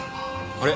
あれ？